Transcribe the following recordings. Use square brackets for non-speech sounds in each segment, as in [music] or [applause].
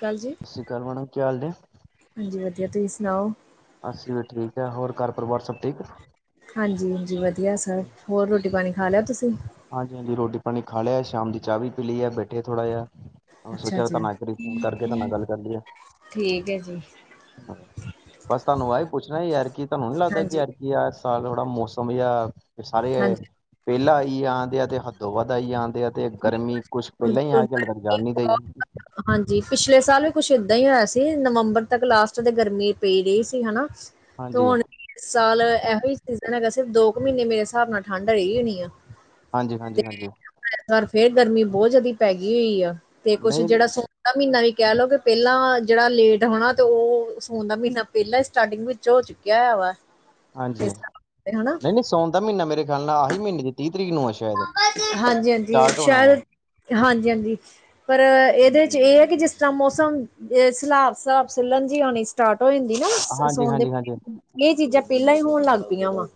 ਕਕ ਜੀ। ਸਤਿ ਸ਼੍ਰੀ ਅਕਾਲ ਮੈਮ ਕੀ ਹਾਲ ਨੇ। ਹਾਂਜੀ ਵਧੀਆ ਤੁਸੀਂ ਸੁਣਾਓ। ਅਸੀਂ ਵੀ ਠੀਕ ਹੈ ਹੋਰ ਘਰ ਪਰਿਵਾਰ ਸਭ ਠੀਕ। ਹਾਂਜੀ -ਹਾਂਜੀ ਵਧੀਆ ਸਰ ਹੋਰ ਰੋਟੀ ਪਾਣੀ ਖਾ ਲਿਆਓ ਤੁਸੀਂ ਹਾਂਜੀ- ਹਾਂਜੀ ਰੋਟੀ ਪਾਣੀ ਖਾ ਲਿਆ ਸ਼ਾਮ ਦੀ ਚਾਹ ਵੀ ਪੀ ਲਈ ਹੈ ਬੈਠੇ ਥੋੜਾ ਜਿਹਾ ਅੱਛਾ ਸੋਚਿਆ ਜੀ ਤੁਹੂੰ ਇੱਕ ਵਾਰੀ ਫੋਨ ਕਰਕੇ ਤੁਹ ਨਾਲ ਗੱਲ ਕਰ ਲਈਏ। ਠੀਕ ਹੈ ਜੀ। ਬਸ ਤੁਹਾਨੂੰ ਆਹਹੀ ਪੁੱਛਣਾ ਯਾਰ ਕੀ ਤੁਹਾਨੂੰ ਨੀ ਲੱਗਦਾ ਕਿ ਹਾਂਜੀ ਯਾਰ ਕੀ ਯਾਰ ਸਾਲ ਥੋੜਾ ਮੌਸ ਯਾਰ। ਸਾਰੇ ਹਾਂਜੀ ਪਹਿਲਾ ਆਈ ਆਉਂਦੇ ਆ ਤੇ ਹੱਦੋਂ ਵੱਧ ਆਈ ਆਉਂਦੇ ਆ ਤੇ ਗਰਮੀ। ਕੁਛ ਪਹਿਲਾਂ ਹੀ ਬਿਲਕੁਲ ਬਿਲਕੁਲ, ਆ ਕੇ ਤਾਂ ਰ ਗਰਮੀ ਜਾਨ ਨੀ ਦੇਈ ਬਹੁਤ। ਹਾਂਜੀ ਪਿਛਲੇ ਸਾਲ ਵੀ ਕੁਛ ਏਦਾਂ ਹੀ ਹੋਇਆ ਸੀ ਨਵੰਬਰ ਤੱਕ ਲਾਸਟ ਤੇ ਗਰਮੀ ਪਈ ਰਹੀ ਸੀ ਹਨਾ। ਤੇ ਹਾਂਜੀ ਹੁਣ ਸਾਲ ਇਹੋ ਸੀਜ਼ਨ ਹੈਗਾ ਸਿਰਫ ਦੋ ਕੁ ਮਹੀਨੇ ਮੇਰੇ ਹਿਸਾਬ ਨਾਲ ਠੰਢ ਰਹੀ ਹੋਣੀ ਆ। ਹਾਂਜੀ -ਹਾਂਜੀ -ਹਾਂਜੀ। ਐਤ ਵਾਰ ਫੇਰ ਗਰਮੀ ਬਹੁਤ ਜਿਆਦਾ ਪੈ ਗਈ ਹੋਈ ਆ ਤੇ ਕੁੱਛ ਨਹੀਂ ਜਿਹੜਾ ਸੋ। ਦਾ ਮਹੀਨਾ ਵੀ ਕਹਿ ਲਓ ਕਿ ਪਹਿਲਾਂ ਜਿਹੜਾ ਲੇਟ ਹੋਣਾ ਤੇ ਉਹ ਫੋਨ ਦਾ ਮਹੀਨਾ ਪਹਿਲਾਂ ਸਟਾਰਟਿੰਗ ਵਿੱਚ। ਚਝ ਹੋ ਚੁੱਕਿਆਇਆ ਵਾ। ਹਾਂਜੀ ਇਸ ਸਾਲ ਤੇ, ਹਨਾ ਨਹੀਂ -ਨਹੀਂ ਸਾਉਣ ਦਾ ਮਹੀਨਾ ਮੇਰੇ ਖਿਆਲ ਨਾਲ ਆਹੀ ਮਹੀਨੇ ਦੀ ਤੀਹ ਤਰੀਕ ਨੂੰ। ਆ ਸ਼ਾਇਦ ਹਾਂਜੀ - ਹਾਂਜੀ ਸਟਾਰਟ ਹੋਣਾ ਆ ਸ਼ਾਇਦ ਹਾਂਜੀ -ਹਾਂਜੀ। ਪਰ ਇਹਦੇ ਚ ਇਹ ਹੈ ਕਿ ਜਿਸ ਤਰ੍ਹਾਂ ਮੌਸਮ ਸਲਾਬ ਸਿਸਬ ਸਲਣ ਜ ਹੋਉਣੀ। ਸਟਾਰਟ ਹੋ ਜਾਂਦੀ ਨਾ ਹਾਂਜੀ ਸੋਣ ਦੇ ਹਾਂਜੀ ਹਾਂਜੀ ਇਹ ਚੀਜ਼ਾਂ ਪਹਿਲਾਂ ਹੀ ਹੋਣ ਲੱਗ ਪਈਆਂ ਵਾ।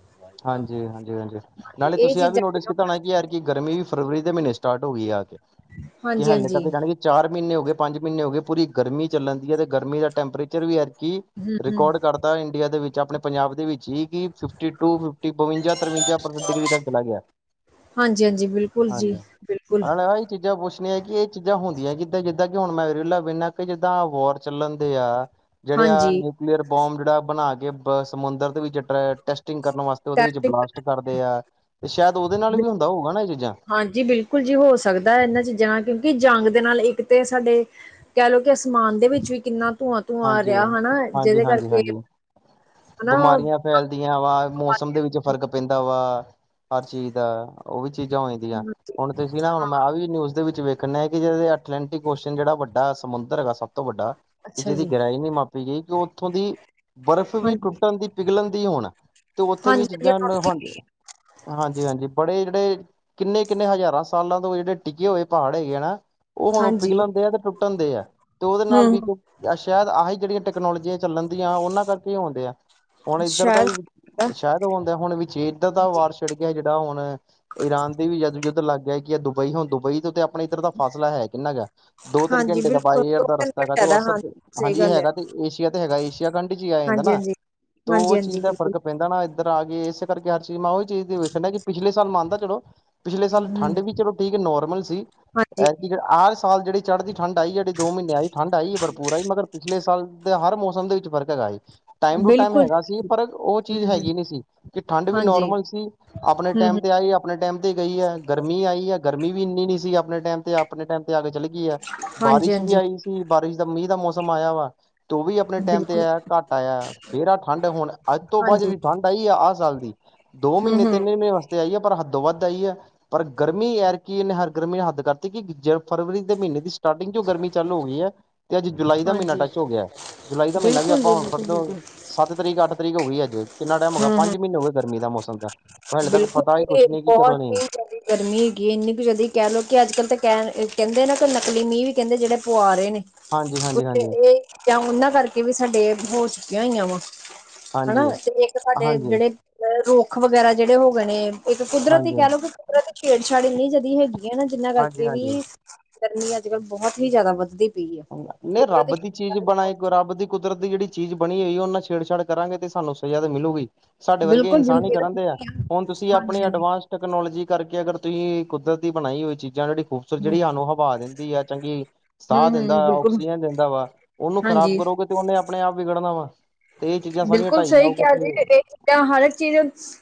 ਹਾਂਜੀ- ਹਾਂਜੀ- ਹਾਂਜੀ ਨਾਲੇ ਇਹ ਤੁਸੀਂ ਆਹ ਵੀ ਚੀਜ਼ਾਂ ਨੋਟਿਸ ਪਹਿਲਾਂ ਕੀਤਾ ਹੋਣ ਹੋਣਾ ਲੱਗ ਕਿ ਯਾਰ ਕਿ ਗਰਮੀ ਵੀ ਫਰਵਰੀ ਦੇ ਮਹੀਨੇ ਚ ਸਟਾਰਟ ਹੋ ਗਈ ਆ ਕੇ। ਪਈਆਂ। ਕੀ ਹਾਂਜੀ ਹਾਲੇ ਹਾਂਜੀ ਤੱਕ ਜਾਣਗੇ? ਚਾਰ ਮਹੀਨੇ ਹੋ ਗਏ ਪੰਜ ਮਹੀਨੇ ਹੋ ਗਏ ਪੂਰੀ ਗਰਮੀ ਚੱਲਣਦੀ ਹੈ ਅਤੇ ਗਰਮੀ ਦਾ ਟੈਂਪਰੇਚਰ ਵੀ ਹੈ। ਕੀ ਹਮ ਹਮ ਰਕਾਰਡ ਕਰਦਾ ਇੰਡੀਆ ਦੇ ਵਿੱਚ ਆਪਣੇ ਪੰਜਾਬ ਦੇ ਵਿੱਚ ਹੀ ਕਿ ਫਿਫਟੀ। ਟੂ ਫਿਫਟੀ, ਬਵੰਜਾ, ਤਰਵੰਜਾ ਡਿਗਰੀ ਤੱਕ ਚਲਾ ਗਿਆ। ਹਾਂਜੀ- ਹਾਂਜੀ ਬਿਲਕੁਲ ਜੀ ਹਾਂਜੀ। ਬਿਲਕੁਲ ਨਾਲ ਆਹੀ ਚੀਜ਼ਾਂ ਪੁੱਛਣੀਆਂ ਹੈ। ਕਿ ਇਹ ਚੀਜ਼ਾਂ ਹੁੰਦੀਆਂ ਕਿੱਦਾਂ ਜਿੱਦਾਂ। ਕਿ ਹੁਣ ਮੈਂ ਵੀੇਰਲਾ ਵੇਂਨਾ ਪਿਆ। ਕਿ ਜਿੱਦਾਂ ਵੋਰ ਚੱਲਣਦੇ ਆ। ਜਿਹੜੇ ਆ ਹਾਂਜੀ ਨਿਊਕਲੀਅਰ ਬੋਬ ਜਿਹੜਾ ਬਣਾ ਕੇ ਸਮੁੰਦਰ ਦੇ। ਕਰਨ ਵਾਸਤੇ, ਉਹਦੇ ਵਿੱਚ ਬਲਾਸਟ ਕਰਦੇ ਆ ਤੇ ਸ਼ਾਇਦ ਉਹਦੇ ਨਾਲ ਵੀ ਹੁੰਦਾ ਹੋਊਗਾ ਨਾ ਇਹ ਚੀਜ਼ਾਂ। ਹਾਂਜੀ ਬਿਲਕੁਲ। ਬਿਲਕੁਲ ਜੀ ਹੋ ਸਕਦਾ ਇਹਨਾਂ ਚੀਜ਼ਾਂ ਨਾਲ ਕਿਉਂਕਿ ਜੰਗ ਦੇ ਨਾਲ ਇੱਕ ਤੇ ਸਾਡੇ ਕਹਿ ਲੋੋ ਕਿ ਅਸਮਾਨ ਦੇ ਵਿੱਚ ਵੀ ਕਿੰਨਾ ਧੂੰਆਂ- ਧੂੰਆਂ ਆ ਹਾਂਜੀ ਰਿਹਾ ਹਨਾ ਹਾਂਜੀ ਜਿਹਦੇ ਹਾਂਜੀ ਕਰਕੇ। ਹਾਂਜੀ ਹਨਾ ਬਿਮਾਰੀਆਂ। ਫੈਲਦੀਆਂ ਵਾ ਮੌਸਮ ਦੇ ਵਿੱਚ ਫ਼ਰਕ ਪੈਂਦਾ ਵਾ ਹਰ ਚੀਜ਼ ਦਾ ਉਹ ਵੀ ਚੀਜ਼ਾਂ ਹੋਦੀਆਂ। ਹੁਣ। ਅਸੀਂ ਨਾ ਹੁਣ ਮੈਂ ਵੀ ਨਿਊਜ਼ ਦੇ ਵਿੱਚ ਵੇਖਣ ਡਿਹਾ ਕਿ ਜੋ ਅਟਲਾਂਟਿਕ ਓਸ਼ਨ ਜਿਹੜਾ ਵੱਡਾ ਸਮੁੰਦਰ ਹੈਗਾ ਸਭ ਤੋਂ ਵੱਡਾ। ਕਿ ਅੱਛਾ ਜਿਹਦੀ ਜੀ ਗਹਿਰਾਈ ਨਹੀਂ ਮਾਪੀ ਗਈ ਕਿ ਉਹ ਉੱਥੋਂ ਦੀ। ਬਰਫ਼ ਵੀ ਹਾਂਜੀ ਟੁੱਟਣ ਦੀ ਪਿਘਲਣ ਦੀ ਹੋਣ ਤੇ ਉੱਥੇ ਵੀ ਹਾਂਜੀ ਚੀਜ਼ਾਂ ਹਾਂਜੀ ਨ ਹਦੀ। ਹਾਂਜੀ - ਹਾਂਜੀ ਬੜੇ ਜਿਹੜੇ। ਕਿੰਨੇ- ਕਿੰਨੇ ਹਜ਼ਾਰਾਂ ਸਾਲਾਂ ਤੋਂ ਜਿਹੜੇ ਟਿੱਗੇਕੇ ਹੋਏ ਪਹਾੜ ਹੈਗੇ ਨਾ। ਉਹ ਹੁਣ ਉਹ ਹਾਂਜੀ ਪਿਘਲਣ ਦਿਆ ਤੇ ਟੁੱਟਣ ਦਿਆ ਤੇ ਉਹਦੇ ਹੂੰ ਨਾਲ ਵੀ। ਹੂੰ ਸ਼ਾਇਦ ਆਹੀ ਜਿਹੜੀਆਂ ਟੈਕਨੋਲੋਜੀਆਂ ਚੱਲਣ ਦੀਆਂ ਉਹਨਾਂ ਕਰਕੇ ਆਉਂਦੇ ਆ ਹੁਣ ਇੱਧਰ ਦਾ ਸ਼ਾਇਦ ਹੀ। ਸ਼ਾਇਦ ਉਹ ਹੁੰਦਾ ਹੁਣ ਵੀੇ ਦੇ ਇੱਧਰ ਦਾ ਵਾਰ ਜੀ ਛਿੜ ਗਿਆ ਜਿਹੜਾ ਹੁਣ ਈਰਾਨ ਦੇ ਵੀ ਜਦ ਯੁੱਧ ਲੱਗ ਗਿਆ ਕਿ ਆ ਦੁਬਈ ਹੁਨ ਦੁਬਈ ਤੋਂ ਅ ਆਪਣੇ ਇੱਧਰ ਦਾ ਫਾਸਲਾ ਹੈ ਕਿੰਨਾ ਗਾ ਦੋ ਤਿੰਨ ਹਾਂਜੀ ਘੰਟੇ ਦਾ ਬਿਲਕੁਲ ਬਾਏ ਏਅਰ ਦੋ ਦਾ ਤਿੰਨ ਰਸਤਾ ਹੈਗਾ ਤੇ ਘੰਟਿਆਂ ਉਹ ਦਾ ਅਸਰ ਹਾਂਜੀ ਸਹੀ ਹਾਂਜੀ ਇਹ ਗੱਲ ਹੈ ਹੈਗਾ ਤੇ ਏਸ਼ੀਆ ਤੇ ਹੈਗਾ ਏਸ਼ੀਆ ਕੰਟਰੀ ਚ ਹੀ ਆ ਜਾਂਦਾ ਹਾਂਜੀ ਨਾ ਹਾਂਜੀ ਤੇ ਹਾਂਜੀ ਉਹ ਚੀਜ਼ ਹਾਂਜੀ ਦਾ ਬਿਲਕੁਲ ਫਰਕ ਪੈਂਦਾ ਨਾ ਇੱਧਰ ਆ ਗਏ ਇਸੇ ਕਰਕੇ ਹਰ ਚੀਜ਼ ਮੈਂ ਉਹੀ ਚੀਜ਼ ਵੇਖਨ ਡੇਆ ਕਿ ਪਿਛਲੇ ਸਾਲ ਮਾਂਨਦਾ ਚਲੋ ਪਿਛਲੇ ਸਾਲ ਹੂੰ ਠੰਢ ਵੀ ਚਲੋ ਠੀਕ ਹੈ ਨੋਰਮਲ ਸੀ ਹਾਂਜੀ ਐਤਕੀਂ ਇਹ ਸਾਲ ਜਿਹੜੀ ਚੜ੍ਹਦੀ ਠੰਡ ਆਈ ਜਿਹੜੀ ਦੋ ਮਹੀਨੇ ਆਈ ਠੰਢ ਆਈ ਹੈ ਪਰ ਪੂਰਾ ਈ ਮਗਰ ਪਿਛਲੇ ਸਾਲ ਦੇ ਹਰ ਮੌਸਮ ਦੇ ਵਿੱਚ ਫਰਕ ਹੈਗਾ ਏ। ਟਾਈਮ ਟੂ ਟਾਈਮ ਬਿਲਕੁਲ ਹੈਗਾ ਸੀ ਪਰ ਉਹ ਹੂੰ ਚੀਜ਼ ਹੂੰ ਹੈਗੀ ਨਹੀਂ ਸੀ। ਕਿ ਠੰਡ ਵੀ ਹਾਂਜੀ ਨੋਰਮਲ ਸੀ ਅਪਣੇ ਹੂੰ ਟੈਮ ਹੂੰ ਤੇ ਆਈ ਅਪਣੇ ਟਾਈਮ ਤੇ ਗਈ ਹੈ ਗਰਮੀ ਆਈ ਹੈ ਗਰਮੀ ਵੀ ਇੰਨੀ ਨੀ ਸੀ ਅਪਣੇ ਟਾਈਮ ਤੇ ਅਪਣੇ ਟਾਈਮ ਤੇ ਆ ਕੇ ਚਲੀ ਹੇਗੀ ਆ ਹਾਂਜੀ ਬਾਰਿਸ਼ ਵੀ ਹਾਂਜੀ ਆਈ ਸੀ ਬਾਰਿਸ਼ ਦਾ ਮੀਂਹ ਦਾ ਮੌਸਮ ਆਇਆ ਵਾ ਤੂੰ ਵੀ ਅਪਨੇ ਟਾਈਮ ਤੇ ਬਿਲਕੁਲ ਇਹ ਘੱਟ ਆਇਆ ਫੇਰ ਆਹ ਠੰਡ ਹੁਣ ਅੱਜ ਤੋਂ ਬਾਅਦ ਹਾਂਜੀ ਜਿਹੜੀ ਠੰਡ ਆਈ ਆਹ ਸਾਲ ਦੀ ਦੋ ਹੂੰ ਮਹੀਨੇ ਹੂੰ ਤਿੰਨੇ ਮਹੀਨੇ ਵਸ ਆਈ ਹੈ ਪਰ ਹੱਦੋ ਵੱਧ ਆਈ ਹੈ ਪਰ ਗਰਮੀ ਐਰਕਨ ਹਰ ਗਰਮੀ ਨੇ ਹੱਦ ਕਰਤੀ ਕਿ ਜ [unintelligible] ਫਰਵਰੀ ਦੇ ਮਹੀਨੇ ਦੀ ਸਟਾਰਟਿੰਗ ਚੋ ਗਰਮੀ ਚਾਲੂ ਹੋ ਗਈ ਹੈ ਤੇ ਅੱਜ ਜੁਲਾਈ ਦਾ ਮਹੀਨਾ ਹਾਂਜੀ ਟੱਚ ਹੋ ਗਿਆ ਜੁਲਾਈ ਦਾ ਮਹੀਨਾ ਵੀ ਬਿਲਕੁਲ ਜੀ ਆਪਾਂ ਹੁਣ ਫੱਟ ਬਿਲਕੁਲ ਦੋਗੇ ਬਿਲਕੁਲ ਸੱਤ ਤਰੀਕ ਅੱਠ ਤਰੀਕ ਹੋ ਗਈ ਅੱਜ ਕਿੰਨਾ ਟਾਈਮ ਹੋਗਿਆ ਪੰਜ ਮਹੀਨੇ ਹੋ ਗਏ ਗਰਮੀ ਦਾ ਮੌਸਮ ਦਾ ਹਾਲੇ ਤੱਕ ਪਤਾ ਹੀ ਬਿਲਕੁੱਲ ਕੁਛ ਜੀ ਨਹੀਂ ਕਿ ਕਦੋਂ ਬਹੁਤ ਨਹੀਂ ਹੀ ਜੇਦੀ ਗਰਮੀਂ ਹੈਗੀ ਹੈ ਇੰਨੀ ਕੁ ਜੇਦੀ ਕਹਿ ਲਓ ਕਿ ਅੱਜ ਕੱਲ੍ਹ ਤਾਂ ਕਹਿਣ ਕਹਿੰਦੇ ਨਾ ਕਿ ਨਕਲੀ ਮੀਂਹ ਵੀ ਕਹਿੰਦੇ ਜਿਹੜੇ ਪੂਆ ਰਹੇ ਨੇ। ਹਾਂਜੀ ਹਾਂਜੀ ਕੁਛ ਹਾਂਜੀ ਇਹ ਉਹਨਾਂ ਕਰਕੇ ਵੀ ਸਾਡੇ ਹੋ ਚੁੱਕੀਆਂ ਹੋਈਆਂ ਵਾ ਹਨਾ ਹਾਂਜੀ ਹਾਂਜੀ ਤੇ ਇੱਕ ਸਾਡੇ ਹਾਂਜੀ ਜਿਹੜੇ ਰੁੱਖ ਵਗੈਰਾ ਜਿਹੜੇ ਹੋ ਗਏ ਨੇ ਇੱਕ ਕੁਦਰਤ ਹੀ ਕਹਿ‌ ਲਓ ਹਾਂਜੀ ਕਿ ਕੁਦਰਤ ਛੇੜਛਾੜ ਇੰਨੀ ਜੈਦੀ ਹੈਗੀ ਹੈ ਨਾ ਜਿਨਾਂ ਕਰਕੇ ਹਾਂਜੀ ਵੀ ਗਰਮੀਂ ਅੱਜ ਕੱਲ ਬਹੁਤ ਹੀ ਜ਼ਿਆਦਾ ਵੱਧਦੀ ਪਈ ਹੈ ਨਹੀਂ ਕੁਦਰਤੀ ਰੱਬ ਦੀ ਚੀਜ਼ ਛੇੜਛਾੜ ਵੀ ਬਣਾਈ ਬਹੁਤ ਕੋਈ ਰੱਬ ਦੀ ਕੁਦਰਤ ਦੀ ਜਿਹੜੀ ਚੀਜ਼ ਬਣੀ ਹੋਈ ਉਹਨਾਂ ਛੇੜਛਾੜ ਕਰਾਂਗੇ ਤੇ ਸਾਨੂੰ ਸਜ਼ਾ ਤਾਂ ਮਿਲੂਗੀ। ਸਾਡੇ ਵਰਗੇ ਬਿਲਕੁਲ ਇਨਸਾਨ ਹੀ ਕਰਨ ਦੇ ਆ ਹੁਣ ਤੁਸੀਂ ਅਪਣੇ ਹਾਂਜੀ-ਹਾਂਜੀ, ਐਡਵਾਂਸ ਟੈਕਨੋਲੋਜੀ ਕਰਕੇ ਅਗਰ ਤੁਸੀਂ ਕੁਦੱਰਤ ਦੀ ਬਣਾਈ ਹੋਈ ਚੀਜ਼ਾਂ ਜਿਹੜੀ ਖੂਬਸੂਰਤ ਜਿਹੜੀ ਹਾਨੂੰ ਹਵਾ ਦਿੰਦੀ ਹੈ ਚੰਗੀ ਸਾਫ ਦਿੰਦਾ ਹੂੰ-ਹੂੰ, ਵਾ ਬਿਲਕੁਲ ਆਕਸੀਜਨ ਦਿੰਦਾ ਵਾ ਉਹਨੂੰ ਖਰਾਬ ਹਾਂਜੀ, ਕਰੋਗੇ ਤੇ ਉਹਨੇ ਅਪਣੇ ਆਪ ਵਿਗੜਨਾ ਵਾ। ਤੇ ਇਹ ਚੀਜ਼ਾਂ ਸਾਰੀਆਂ ਬਿਲਕੁਲ ਢਾਈ ਸਹੀ ਜਾਓਗੇ ਕਿਹਾ ਤੇ ਜੀ ਇਹ ਚੀਜਾ ਹਰ ਇੱਕ ਚੀਜ਼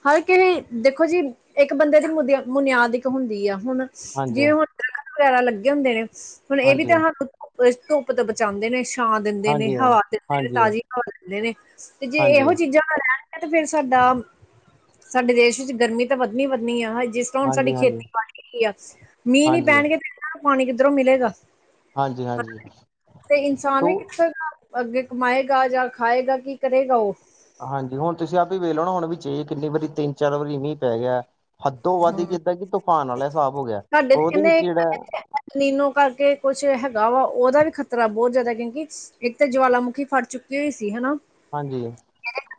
ਹਰ ਕਿਸੇ ਦੇਖੋ ਜੀ ਇੱਕ ਬੰਦੇ ਦੀ ਮੁਦ ਮੁਨਿਆਦ ਇੱਕ ਹੁੰਦੀ ਆ ਹੁਨ। ਹਾਂਜੀ ਜਿਵੇਂ ਹੁਨ ਦ ਵਗੈਰਾ ਲੱਗੇ ਹੁੰਦੇ ਨੇ ਹੁਣ ਇਹ ਵੀ ਹਾਂਜੀ ਤੇ ਹਾਨੂੰ ਧੁੱਪ ਤੋਂ ਬਚਾਂਦੇ ਨੇ ਛਾਂ ਦਿੰਦੇ ਨੇ ਹਾਂਜੀ ਹਾਂਜੀ ਹਵਾ ਦਿੰਦੇ ਨੇ ਹਾਂਜੀ ਤਾਜ਼ੀ ਹਵਾ ਦਿੰਦੇ ਨੇ ਤੇ ਜੇ ਇਹੋ ਹਾਂਜੀ ਚੀਜ਼ਾਂ ਨਾ ਰਹਣ ਤੇ ਫੇਰ ਸਾਡਾ ਸਾਡੇ ਦੇਸ਼ ਵਿੱਚ ਗਰਮੀਂ ਤਾਂ ਵੱਧਨੀ ਵੱਧਨੀ ਆ ਜਿਸ ਹੁਣ ਸਾਡੀ ਹਾਂਜੀ ਹਾਂਜੀ ਖੇਤੀ ਬਾੜੀ ਹੇਗੀ ਆ ਮੀਂਹ ਨੀ ਹਾਂਜੀ ਪੇਣਗੇ ਤੇ ਇਹਨਾ ਨੂੰ ਪਾਣੀ ਕਿੱਧਰੋਂ ਮਿਲੇਗਾ। ਹਾਂਜੀ ਹ ਹਾਂਜੀ ਤੇ ਇਨਸਾਨ ਵੀ ਤੋ ਕਿੱਧਰ ਦਾ ਅੱਗੇ ਕਮਾਏਗਾ ਜਾਂ ਖਾਏਗਾ ਕੀ ਕਰੇਗਾ ਉਹ ਹਾਂਜੀ ਹੁਣ ਤੁਸੀਂ ਆਪ ਹੀ ਵੇਖ ਲੋ ਨਾ ਹੁਣ ਵਿਚੇ ਹੀ ਕਿੰਨੀ ਵਾਰੀ ਤਿੰਨ ਚਾਰ ਵਾਰੀ ਮੀਂਹ ਪੈ ਗਿਆ। ਹੱਦੋਂ ਵੱਧ ਹੀ ਕਿੱਦਾਂ ਕਿ ਤੂਫਾਨ ਆਲਾ ਹਿਸਾਬ ਹੋ ਗਿਆ ਤੁਹਾਡੇ ਤੇ ਉਹਦੇ ਵਿੱਚ ਜਿਹੜਾ ਕਹਿੰਦੇ ਨੀਨੋ ਕਰਕੇ ਕੁੱਛ ਹੈਗਾ ਵਾ ਉਹਦਾ ਵੀ ਖ਼ਤਰਾ ਬਹੁਤ ਜੈਦਾ ਕਿਉਂਕਿ ਇੱਕ ਤੇ ਜਵਾਲਾਮੁੱਖੀ ਫੱਟ ਚੁੱਕੀ ਹੋਈ ਸੀ ਹੈਨਾ। ਹਾਂਜੀ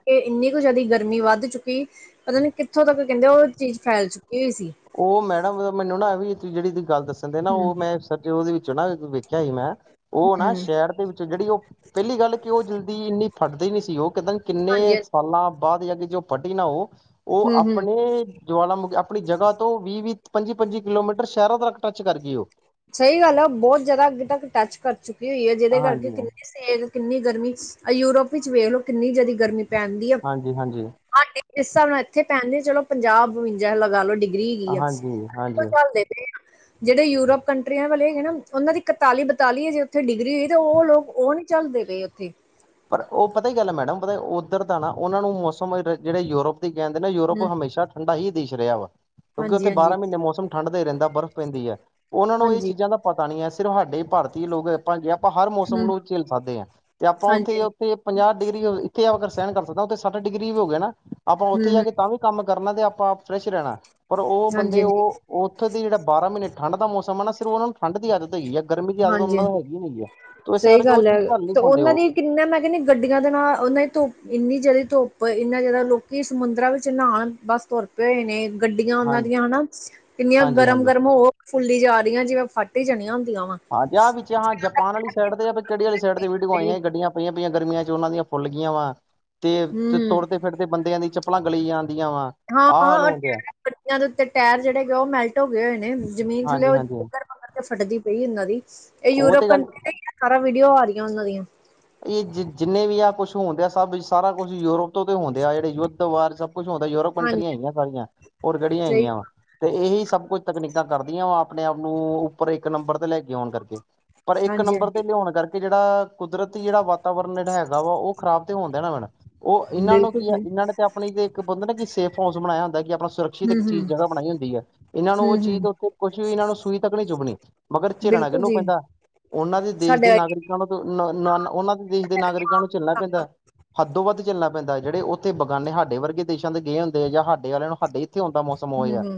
ਕੇ ਇੰਨੀ ਕੁ ਜੈਦੀ ਗਰਮੀ ਵੱਧ ਚੁੱਕੀ ਪਤਾ ਨੀ ਕਿੱਥੋਂ ਤੱਕ ਕਹਿੰਦੇ ਉਹ ਚੀਜ਼ ਫੈਲ ਚੁੱਕੀ ਹੋਈ ਸੀ। ਉਹ ਮੈਡਮ ਮੈਨੂੰ ਨਾ ਵੀ ਜਿਹੜੀ ਗੱਲ ਤੁਸੀਂ ਦੱਸਣ ਦੇ ਨਾ ਉਹ ਹਮ ਮੈਂ ਉਹਦੇ ਵਿੱਚੋਂ ਨਾ ਵੇਖਿਆ ਸੀ ਮੈਂ ਉਹ ਨਾ ਹਮ ਸ਼ਹਿਰ ਦੇ ਵਿੱਚ ਜਿਹੜੀ ਉਹ ਪਹਿਲੀ ਗੱਲ ਕਿ ਉਹ ਜਲਦੀ ਇੰਨੀ ਫਟਦੇ ਨੀ ਸੀ ਉਹ ਕਹਦੇ ਕਿੰਨੇ ਹਾਂਜੀ ਸਾਲਾਂ ਬਾਅਦ ਜਾ ਕੇ ਜੋ ਫੱਟੀ ਨਾ ਉਹ ਉਹ ਹਮ ਹਮ ਆਪਣੇ ਜਵਾਲਾ ਮੁਖ ਅਪਣੀ ਜਗ੍ਹਾ ਤੋਂ ਵੀਹ-ਵੀਹ, ਪੰਜੀ-ਪੰਜੀ ਕਿਲੋਮੀਟਰ ਸ਼ਹਿਰਾਂ ਤੱਕ ਟੱਚ ਕਰ ਗਈ ਓ। ਸਹੀ ਗੱਲ ਆ ਬੌ ਜਿਆਦਾ ਅੱਗੇ ਤੱਕ ਟੱਚ ਕਰ ਚੁੱਕੀ ਹੋਈ ਐ ਜਿਹਦੇ ਹਾਂਜੀ ਕਰਕੇ ਕਿੰਨੇ ਕਿੰਨੀ ਗਰਮੀਂ ਯੂਰਪ ਵਿੱਚ ਵੇਖ ਲੋ ਕਿੰਨੀ ਜਿਆਦਾ ਗਰਮੀਂ ਪੈਣ ਡਈ ਆ। ਹਾਂਜੀ ਹਾਂਜੀ ਇਸ ਹਿਸਾਬ ਨਾਲ ਇੱਥੇ ਪੈਣਦੇ ਚਲੋ ਪੰਜਾਬ ਬਵੰਜਾ ਲਗਾ ਲੋ ਡਿਗਰੀ ਹੇਗੀ ਆ ਹਾਂਜੀ ਹਾਂਜੀ ਚੱਲਦੇ ਜੈੜੇ ਯੂਰਪ ਕੰਟਰੀਆਂ ਵਾਲੇ ਹੈਗੇ ਨਾ ਓਨਾਂ ਦੀ ਇਕਤਾਲੀ, ਬਤਾਲੀ ਜਜੇ ਓਥੇ ਡਿਗਰੀ ਹੋਈ ਤੇ ਓ ਲੋਕ ਓ ਨੀ ਝੱਲਦੇ ਪਏ ਓਥੇ। ਪਰ ਓ ਪਤਾ ਕੀ ਗੱਲ ਐ ਮੈਡਮ ਪਤਾ ਉੱਧਰ ਦਾ ਨਾ ਓਨਾਂ ਨੂੰ ਮੌਸਮ ਜਿਹੜੇ ਯੂਰੋਪ ਕਹਿੰਦੇ ਨੇ ਯੂਰੋਪ ਹੂੰ ਹਮੇਸ਼ਾ ਠੰਡਾ ਹੀ ਦੇਸ਼ ਰਿਹਾ ਵਾ ਕਿਉਂਕਿ ਉੱਥੇ ਹਾਂਜੀ-ਹਾਂਜੀ, ਬਾਰਾਂ ਮਹੀਨੇ ਮੌਸਮ ਠੰਢਦਾ ਰਹਿੰਦਾ ਬਰਫ਼ ਪੈਂਦੀ ਏ ਓਨਾਂ ਨੂੰ ਇਹ ਹਾਂਜੀ ਚੀਜ਼ਾਂ ਦਾ ਪਤਾ ਨੀ ਐ। ਸਿਰਫ ਸਾਡੇ ਭਾਰਤੀ ਲੋਕ ਭਾਂਜੀ ਆਪਾਂ ਹਰ ਮੌਸਮ ਹੂੰ ਨੂੰ ਝੇਲ ਸਕਦੇ ਆ। ਆਪਾਂ ਹਾਂਜੀ-ਹਾਂਜੀ, ਉੱਥੇ-ਉੱਥੇ ਪੰਜਾਹ ਡਿਗਰੀ ਇੱਥੇ ਆ ਸਹਿਣ ਕਰ ਸਕਦੇ ਆ ਉੱਥੇ ਸੱਠ ਡਿਗਰੀ ਵੀ ਹੋ ਗਿਆ ਨਾ ਆਪਾਂ ਉੱਥੇ ਜਾ ਹੂੰ-ਹੂੰ, ਕੇ ਤਾਂ ਵੀ ਕੰਮ ਕਰਨਾ ਤੇ ਆਪਾਂ ਫਰੈਸ਼ ਰਹਿਣਾ ਪਰ ਉਹ ਬੰਦੇ ਓ ਹਾਂਜੀ-ਹਾਂਜੀ, ਉੱਥੇ ਦੇ ਜਿਹੜਾ ਬਾਰਾਂ ਮਹੀਨੇ ਠੰਢ ਦਾ ਮੌਸਮ ਨਾ ਸਿਰ ਓਨਾ ਨੂੰ ਠੰਢ ਦੀ ਆਦਤ ਹੋਈ ਐ। ਗਰਮੀ ਦੀ ਆਦਤ ਓਨਾਂ ਹਾਂਜੀ-ਹਾਂਜੀ। ਨਾਲ ਹੈਗੀ ਨ ਏ ਤੇ ਇਸ ਸਹੀ ਕਰਕੇ ਓ ਗੱਲ ਹੈ ਚੀਜ਼ ਝੱਲ ਨੀ ਤੇ ਪਾਉਂਦੇ ਉਹਨਾਂ ਓ। ਦੀ ਕਿੰਨਾ ਮੈਂ ਕਹਿੰਨੀ ਗੱਡੀਆਂ ਦੇ ਨਾਲ ਓਨਾਂ ਦੀ ਧੁੱਪ ਇੰਨੀ ਜ਼ਿਆਦਾ ਧੁੱਪ ਇੰਨਾ ਜ਼ਿਆਦਾ ਲੋਕ ਸਮੁੰਦਰਾਂ ਵਿੱਚ ਨਹਾਣ ਬਸ ਧੁਰਪ ਹੋਏ ਨੇ ਗੱਡੀਆਂ ਹਾਂਜੀ। ਓਨਾਂ ਦੀਆਂ ਹਨਾ ਕਿੰਨੀਆਂ ਗਰਮ ਹਾਂਜੀ-ਹਾਂਜੀ ਗਰਮ ਹੋ ਫੁੱਲੀ ਜਾ ਰਹੀ ਆ ਜਿਵੇਂ ਫੱਟ ਹੀ ਜਾਣੀਆਂ ਹੁੰਦੀਆਂ ਵਾ। ਹਾਂਜੀ ਹਾਂ ਵਿੱਚ ਜਪਾਨ ਵਾਲੀ ਸਾਈਡ ਤੇ ਕਿਹੜੀ ਵਾਲੀ ਸਾਈਡ ਤੇ ਵੀ ਵਿਡੀਉ ਆਈਆਂ ਗੱਡੀਆਂ ਪਈਆਂ ਪਈਆਂ ਗਰਮੀਆਂ ਚੱ ਉਨਾਂ ਦੀਆਂ ਫੁੱਲ ਵਾ ਤੇ ਹਮ ਤੋੜਦੇ-ਫਿਰਦੇ ਬੰਦਿਆਂ ਦੀ ਚੱਪਲਾਂ ਗਲੀ ਆਦੀਆਂ ਵਾ। ਆਹ ਹਾਲ ਹਾਂ-ਹਾਂ, ਓ ਹੁੰਦੇ ਆ ਟਰ ਬ ਦੇ ਉੱਤੇ ਟਾਇਰ ਜਿਹੜੇ ਉਹ ਮੈਲਟ ਹੋ ਗਏ ਹੋਏ ਨੇ ਜ਼ਮੀਨ ਥੱਲੇ ਓ ਹਾਂਜੀ-ਹਾਂਜੀ ਕੇ ਫਟਦੀ ਪਈ ਇਹਨਾਂ ਦੀ ਇਹ ਉਹ ਯੂਰਪ ਤੇ ਗੱਲ ਕੰਟਰੀ ਸਾਰਾ ਵੀਡੀਓ ਆ ਰਹੀਆਂ ਉਨਾਂ ਦੀਆਂ। ਏ ਜ ਜਿੰਨੇ ਵੀ ਆ ਕੁਛ ਹੋਣਡਿਆ ਆ ਸਭ ਸਾਰਾ ਕੁਛ ਯੂਰਪ ਤੋਂ ਤੇ ਹੋਣਡਿਆ ਜਿਹੜੇ ਯੁੱਧ ਵਾਰ ਸ ਕੁਛ ਹੁੰਂਦਾ ਯੂਰੋਪ ਹਾਂਜੀ ਕੰਟਰੀਆਂ ਹੈਗੀਆਂ ਸਾਰੀਆਂ ਹੋਰ ਕਿਹੜੀਆਂ ਸਹੀ ਹੈਗੀਆਂ ਵਾ? ਤੇ ਇਹੀ ਸਭ ਕੁੱਝ ਤਕਨੀਕਾਂ ਕਰਦੀਆਂ ਵਾ ਆਪਣੇ ਆਪ ਨੂੰ ਉੱਪਰ ਇੱਕ ਨੰਬਰ ਤੇ ਲੈ ਕੇ ਆਉਣ ਕਰਕੇ। ਪਰ ਇੱਕ ਹਾਂਜੀ ਨੰਬਰ ਤੇ ਹਾਂਜੀ ਲਿਉਣ ਕਰਕੇ ਜਿਹੜਾ ਕੁਦਰਤੀ ਜੇੜਾ ਵਾਤਾਵਰਨ ਜੇੜਾ ਹੈਗਾ ਵਾ ਓ ਖਰਾਬ [unintelligible] ਓ ਇਹਨਾਂ ਨੂੰ ਬਿਲਕੁਲ ਕੀ ਆ ਜੀ ਇਹਨਾਂ ਨੇ ਤਾਂ ਆਪਣੀ ਤੇ ਇੱਕ ਬੰਦਾ ਨਾ ਕਿ ਸੇਫ ਹਾਊਸ ਬਣਾਇਆ ਹੁੰਦਾ ਕਿ ਆਪਣਾ ਸੁਰੱਖਿਅਤ ਹਮ ਇੱਕ ਹਮ ਚੀਜ਼ ਜਗ੍ਹਾ ਬਣਾਈ ਹੁੰਦੀ ਐ। ਏਨਾਂ ਨੂੰ ਉਹ ਹਮ ਚੀਜ਼ ਹਮ ਉੱਥੇ ਕੁਛ ਵੀ ਏਨਾਂ ਨੂੰ ਸੂਈ ਤੱਕ ਨਹੀਂ ਚੁੱਭਣੀ। ਮਗਰ ਝਿਰਨਾ ਬਿਲਕੁਲ ਕਿਹਨੂੰ ਜੀ ਪੈਂਦਾ? ਓਨਾਂ ਦੇਸ਼ ਸਾਡੇ ਦੇ ਹੂੰ ਨਾਗਰਿਕਾਂ ਨੂੰ ਨ ਓਨਾਂ ਦੇਸ਼ ਦੇ ਨਾਗਰਿਕਾਂ ਨੂੰ ਝੱਲਣਾ ਪੈਂਦਾ ਹੱਦੋ ਵੱਧ ਚੱਲਣਾ ਪੈਂਦਾ ਜਿਹੜੇ ਉੱਥੇ ਬਗਾਨੇ ਸਾਡੇ ਵਰਗੇ ਦੇਸ਼ਾਂ ਦੇ ਗਏ ਹੁੰਦੇ ਜਾਂ ਸਾਡੇ ਵਾਲਿਆਂ ਨੂੰ ਸਾਡੇ ਇੱਥੇ ਹੁੰਣ ਦਾ ਮੌਸਮ ਉਹੋ ਐ ਹੂੰ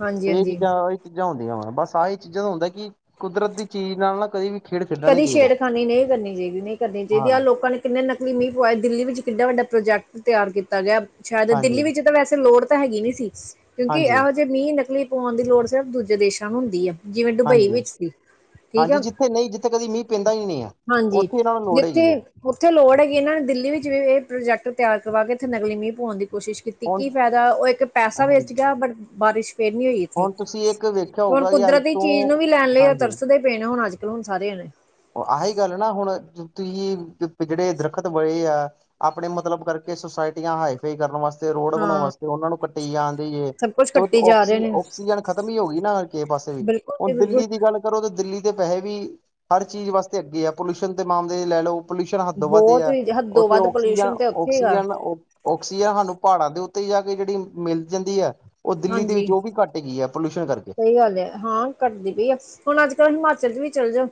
ਹਾਂਜੀ ਤੇ ਇਹ ਹਾਂਜੀ ਚੀਜ਼ਾਂ ਚੀਜ਼ਾਂ ਹੁੰਦੀਆਂ ਵਾ ਬਸ ਆਹ ਇਹ ਚੀਜ਼ਾਂ ਦਾ ਹੁੰਦਾ ਕਿ ਕੁਦਰਤ ਦੀ ਚੀਜ਼ ਨਾਲ ਨਾ ਕਦੇ ਵੀ ਖੇਡ ਖੇਡਣਾ ਨੀ ਕਦੀ ਚਾਹੀਦਾ ਛੇੜਖਾਨੀ ਨਈ ਕਰਨੀ ਚਾਹੀਦੀ ਨਹੀਂ ਕਰਨੀ ਹਾਂ ਚਾਹੀਦੀ ਆਹ ਲੋਕਾਂ ਨੇ ਕਿੰਨੇ ਨਕਲੀ ਮੀਂਹ ਪਏ ਦਿੱਲੀ ਵਿੱਚ ਕਿੱਡਾ ਵੱਡਾ ਪ੍ਰੋਜੈਕਟ ਤਿਆਰ ਕੀਤਾ ਗਿਆ। ਅੱਛਾ ਤੇ ਦਿੱਲੀ ਹਾਂਜੀ ਵਿੱਚ ਤਾਂ ਵੈਸੇ ਲੋੜ ਤਾਂ ਹੈਗੀ ਨੀ ਸੀ ਕਿਉਂਕਿ ਹਾਂਜੀ ਐਹ ਮੀਂਹ ਨਕਲੀ ਪਾਉਣ ਦੀ ਲੋੜ ਸਿਰਫ ਦੂਜੇ ਦੇਸਾਂ ਨੂੰ ਹੁੰਦੀ ਆ ਜਿਵੇਂ ਡੁਬੱਈ ਵਿੱਚ ਸੀ ਠੀਕ ਆ। ਨਈ ਜਿੱਥੇ ਕਦੀ ਮੀਂਅ ਪੇਂਦਾ ਈ ਨੀ ਆ। ਹਾਂਜੀ ਜਿੱਥੇ ਉੱਥੇ ਲੋੜ ਹੈਗੀ ਏਨਾਂ ਦਿੱਲੀ ਵਿੱਚ ਵੀ ਏ ਪ੍ਰੋਜੈਕਟ ਤਿਆਰ ਕਰਵਾ ਕੇ ਏਥੇ ਨਕਲੀ ਮੀਂਹ ਪਾਉਣ ਦੀ ਕੋਸ਼ਿਸ਼ ਕੀਤੀ ਹੁਣ ਕੀ ਫਾਇਦਾ ਓ ਇੱਕ ਪੈਸਾ ਵੇਸਟ ਹਾਂਜੀ ਗਿਆ ਬਟ ਬਾਰਿਸ਼ ਫਿਰ ਨੀ ਹੋਈ। ਹੁਣ ਤੁਸੀਂ ਇੱਕ ਵੇਖਿਆ ਹੁਨ ਹੋਊਗਾ ਕਿ ਅੱਜ ਕੁਦਰਤੀ ਤੋਂ ਚੀਜ਼ ਨੂੰ ਵੀ ਲੈਣ ਲਈ ਓ ਹਾਂਜੀ ਤਰਸਦੇ ਪਏ ਨੇ ਹੁਣ ਅੱਜ-ਕੱਲ ਹੁਣ ਸਾਰੇ ਜਣੇ। ਆਹੀ ਗੱਲ ਨਾ ਹੁਣ ਤੁਸੀਂ ਵਿਗੜੇ ਦਰੱਖਤ ਪਏ ਆ ਆਪਣੇ ਮਤਲਬ ਕਰਕੇ ਸੁਸਾਇਟੀਆਂ ਹਾਈਫਈ ਕਰਨ ਵਾਸਤੇ ਰੋਡ ਹਾਂ। ਬਣਾਉਣ ਸਤੇ ਓਨਾਂ ਨੂੰ ਕੱਟੀ ਜਾਂਦੀ ਏ। ਸਭ ਕੁਛ ਕੱਟੀ ਜਾ ਰਹੇ ਆਕਸੀ ਨੇ ਆਕਸੀਜਨ ਖਤਮ ਹੀ ਹੋ ਗਈ ਨਾ ਕਿਸ ਪਾਸੇ ਵੀ ਬਿਲਕੁਲ ਜੀ ਹੁਣ ਬਿਲਕੁਲ ਦਿੱਲੀ ਦੀ ਗੱਲ ਪਰ ਓ ਤੇ ਦਿੱਲੀ ਦੇ ਵੈਸੇ ਵੀ ਹਰ ਚੀਜ਼ ਵਾਸਤੇ ਅੱਗੇ ਆ ਪੋਲਿਊਸ਼ਨ ਦੇ ਮਾਮਲੇ ਲੈ ਲਓ। ਪੋਲਿਊਸ਼ਨ ਹੱਦੋਂ ਵੱਧ ਬਹੁਤ ਐ ਹੀ ਹੱਦੋਂ ਉੱਥੇ ਵੱਧ ਆਕਸੀਜਨ ਪੋਲਿਊਸ਼ਨ ਤੇ ਉੱਥੇ ਹੈਗਾ ਆਕਸੀਜਨ ਔਕ ਓਕਸੀਜਨ ਸਾਨੂੰ ਪਹਾੜਾਂ ਦੇ ਉੱਤੇ ਜਾ ਕੇ ਜਿਹੜੀ ਮਿਲ ਜਾਂਦੀ ਆ ਓ ਦਿੱਲੀ ਦੇ ਵਿੱਚ ਹਾਂਜੀ। ਓ ਵੀ ਘੱ ਹੈਗੀ ਆ ਪੋਲਿਊਸ਼ਨ ਕਰਕੇ। ਸਹੀ ਹਾਂ ਘੱਟਦੀ ਪਈ ਆ ਹੁਣ ਅੱਜ ਕੱਲ੍ਹ ਹਿਮਾਚਲ ਚ ਵੀ ਚੱਲ ਜੋ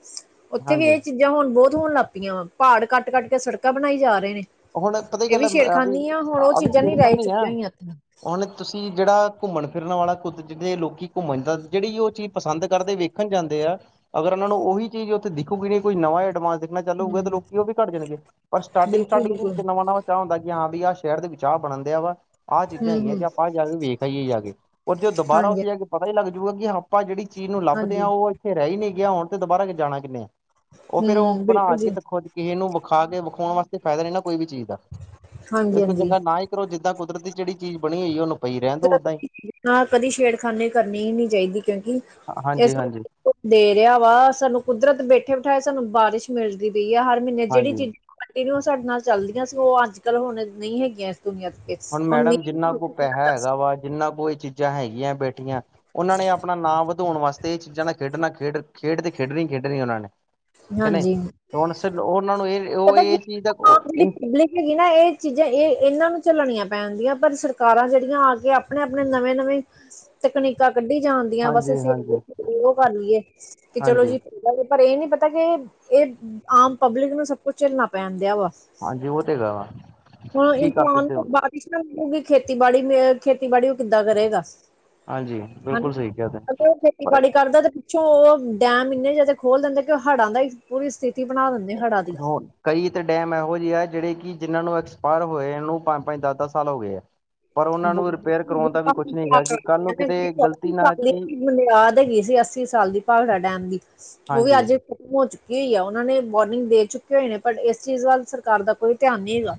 ਓਥੇ ਵੀ ਹਾਂਜੀ ਏ ਚੀ ਜਾਂ ਹੁਣ ਬੌਤ ਹੋਣ ਲੱਗ ਪੀਆ, ਭਾੜ ਕੱਟ-ਕੱਟ ਕੇ ਸੜਕਾਂ ਬਣਾਈ ਜਾ ਰਏ ਨੇ। ਹੁਣ ਪਤਾ ਹੀ ਏ ਗੱਲ ਵੀ ਆ ਛੇੜਖਾਨੀ ਆ ਹੁਣ ਓ ਵੀ ਚੀਜ਼ਾਂ ਪੇੜ ਨੀ ਤਾਂ ਰਹਿ ਨਹੀਂ ਆ ਚੁੱਕੀਆਂ ਹੋਈਆਂ ਏਥੇ। ਹੁਣ ਤੁਸੀਂ ਜੇੜਾ ਘੁੰਮਣ ਫਿਰਨ ਵਾਲਾ ਕੁੱਦ ਜੇੜੇ ਲੋਕ ਘੁੰਮਣ ਜਾਂ ਜੇੜੀ ਓ ਚੀਜ਼ ਪਸੰਦ ਕਰਦੇ ਵੇ ਖਣ ਜਾਂਦੇ ਆ ਅਗਰ ਓਨਾਂ ਨੂੰ ਓਹੀ ਚੀਜ਼ ਓਥੇ ਦੇਖੂਗੀ ਨੀ ਕੋਈ ਨਵਾਂ ਐਡਵਾਂਸ ਚੱਲੂ ਹੋਊਗਾ ਤਾਂ ਹਮ ਲੋਕੀ ਓ ਵੀ ਘੱਟ ਜਾਣਗੇ ਪਰ ਬਿਲਕੁਲ ਸਟਾਟਿੰਗ-ਸਟਾਟਿੰਗ ਦੇ ਬਿਲਕੁਲ ਵਿੱਚ ਚਾ ਹੁੰਦਾ ਕਿ ਹਾਂ ਵੀ ਆਹ ਸ਼ਹਿਰ ਦੇ ਵਿੱਚ ਆ ਬਣਨ ਦੇਆ ਵਾ। ਆ ਚੀਜ਼ਾਂ ਹਮ ਹੈਗੀਆਂ ਤੇ ਹਮ ਆਪਾਂ ਜਾ ਕੇ ਵੇਖ ਆਈਏ ਜਾ ਕੇ, ਓ ਜਦੋ ਦੁਬਾਰਾ ਹਾਂਜੀ। ਓਥੇ ਜਾ ਕੇ ਪਤਾ ਹੀ ਲੱਗਜੂ ਕਿ ਹਾਂ ਆਪਾਂ ਜੇੜੀ ਚੀਜ਼ ਨੂੰ ਲੱਭਦੇ ਹਾਂਜੀ ਆ ਓ ਏਥੇ ਰੈ ਈ ਨੀ ਗਿਆ ਹੁਣ ਤੇ ਦੁਬਾਰਾ ਜਾਣਾ ਕਿੰਨੇ ਆ। ਓ ਫੇਰ ਓ ਹਮ ਬਣਾ ਬਿਲਕੁਲ ਕੇ ਜੀ ਦੇਖੋ ਕਿਹੇ ਨੂੰ ਵਿਖਾ ਕੇ ਵਿਖਾਉਣ ਵਾਸਤੇ ਫਾਇਦਾ ਨ ਨਾ ਕੋਈ ਵੀ ਚੀਜ਼ ਦਾ, ਹਾਂਜੀ ਇਸ ਕਰਕੇ ਹਾਂਜੀ। ਨਾ ਈ ਕਰੋ ਜਿੱਦਾਂ ਕੁਦਰਤੀ ਜੇੜੀ ਬਣੀ ਹੋਈ ਓਨੂੰ ਪਈ ਰੈਣ ਦੋ ਓਦਾਂ ਈ। ਹਾਂ ਕਦੀ ਛੇੜਖਾਨੇ ਕਰਨੀ ਈ ਨੀ ਚਾਈਦੀ ਕਿਉਂਕੀ ਇਸ ਹਾਂਜੀ ਹਾਂਜੀ ਦੇ ਰੇਆ ਵਾ ਸਾਨੂੰ ਕੁਦਰਤ ਬੈਠੇ ਬੈਠਾਏ ਸਾਨੂੰ ਬਾਰਿਸ਼ ਮਿਲਦੀ ਪਈ ਆ ਹਰ ਮੀਨੇ ਜੇੜੀ ਹਾਂਜੀ। ਚੀਜ਼ ਕੰਟੀਨਿਊ ਸਾਡੇ ਨਾਲ ਚੱਲਦੀਆਂ ਸੀ ਓ ਅੱਜ-ਕੱਲ ਹੁਣ ਨਹੀਂ ਹੈਗੀਆਂ ਇਸ ਦੁਨੀਆਂ ਹੁਣ ਮੈਡਮ ਜਿੰਨਾ ਕੋ ਪੈਹਾ ਹੈਗਾ ਵਾ ਜਿੰਨਾ ਕੋ ਇਹ ਚੀਜ਼ਾਂ ਹੈਗੀਆਂ ਬੈਠੀਆਂ ਓਨਾਂ ਨੇ ਆਪਣਾ ਨਾਂ ਵਧਾਉਣ ਵਾਸਤੇ ਏ ਚੀਜ਼ਾਂ ਨਾਲ ਖੇਡਣਾ ਖੇਡ-ਖੇਡ ਤੇ ਖੇਡਣੀ ਖੇਡਣੀ ਓਨਾਂ ਨੇ। ਕਿ ਨਈ? ਹਾਂਜੀ ਹੁਣ ਸਿਰ ਓਨਾਂ ਨੂੰ ਏ ਓ ਏ ਚੀਜ਼ ਦਾ ਲੇਕਿਨ [unintelligible] ਚੀਜ਼ਾਂ ਏ ਏਨਾਂ ਨੂੰ ਝੱਲਣੀਆਂ ਪੈਣਦੀਆਂ ਪਰ ਸਰਕਾਰਾਂ ਜੇੜੀਆਂ ਆ ਕੇ ਆਪਣੇ-ਆਪਣੇ ਨਵੇਂ-ਨਵੇਂ ਤਕਨੀਕਾਂ ਕੱਢੀ ਜਾਣ ਦੀਆਂ ਬਸ ਹਾਂਜੀ ਅਸੀਂ ਹਾਂਜੀ ਓ ਕਰ ਲੀਏ ਕਿ ਚਲੋ ਹਾਂਜੀ। ਜੀ ਪਰ ਏ ਨੀ ਪਤਾ ਅਜੇ ਏ ਆਮ ਪਬਲਿਕ ਨੂੰ ਸਭ ਕੁਛ ਝਲਣਾ ਪੈਣ ਦਿਆ ਵਾ ਹਾਂਜੀ ਓ ਤੇ ਹੈਗਾ ਵਾ। ਹੁਣ ਕੀ ਕਰ ਇਨਸਾਨ ਸਕਦੇ ਨੂੰ ਹੁਣ ਬਾਰਿਸ਼ ਨਾ ਰੁਕੂਗੀ ਖੇਤੀਬਾੜੀ ਮੇ ਖੇਤੀਬਾੜੀ ਓ ਕਿੱਦਾਂ ਕਰੇਗਾ? ਹਾਂਜੀ ਬਿਲਕੁਲ ਸਹੀ [unintelligible] ਕਿਹਾ ਤੁਸੀ। ਪਰ ਖੇਨਤੀਬਾੜੀ ਕਰਦੈ ਚ ਓ ਡੈਮ ਇੰਨੇ ਜਾਦਾ ਖੋਲ ਦਿੰਦੇ ਕਿ ਹੜ੍ਹਾਂ ਦਾ ਹੀ ਪੂਰੀ ਸਥਿ ਤੀ ਬਣਾ ਦਿੰਦੇ। ਹੜ੍ਹਾਂ ਦੀ ਹੋਰ ਕਈ ਤੇ ਡੈਮ ਐਹੋ ਜੇ ਆ ਜੇੜੇ ਕਿ ਜਿਨਾਂ ਨੂੰ ਐਕਸਪਾਇਰ ਹੋਏਆ ਨੂੰ ਪੰਜ-ਪੰਜ ਦੱਸ-ਦੱਸ ਸਾਲ ਹੋ ਗਏ ਆ। ਪਰ [unintelligible] ਉਹਨਾਂ ਨੂੰ ਰਿਪੇਅਰ ਕਰਵਾਉਣ ਬੁਨਿਆਦ ਦਾ ਵੀ ਕੁਛ ਨਹੀਂ ਹੈਗਾ ਕਿ ਕੱਲ੍ਹ ਨੂੰ ਕਿਤੇ ਗ਼ਲਤੀ ਨਾ ਕਿ ਹੈਗੀ ਸੀ। ਅੱਸੀ ਸਾਲ ਦੀ ਭਾਗੜਾ ਡੈਮ ਦੀ ਓ ਵੀ ਹਾਂਜੀ ਅੱਜ ਹੋ ਚੁੱਕੀ ਹੋਈ ਆ ਓਨਾਂ ਨੇ ਵਾਰਨਿੰਗ ਦੇ ਚੁੱਕੇ ਹੋਏ ਨੇ ਬਟ ਇਸ ਚੀਜ਼ ਵੱਲ ਸਰਕਾਰ ਦਾ ਕੋਈ ਧਿਆਨ ਨਈ ਹੈਗਾ।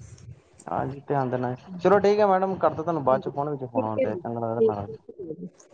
ਹਾ ਜੀ ਧਿਆਨ ਦੇਣਾ ਚਲੋ ਠੀਕ ਐ ਮੈਡਮ ਕਰਦਾ ਤੁਆਨੂੰ ਬਾਦ ਚ ਫੋਨ ਚੇ ਫੋਨ ਠੀਕ ਆਉਣ ਹੈ ਤੇ ਜੀ ਚੰਗਾ ਠੀਕ ਲੱਗਦਾ ਮ [unintelligible]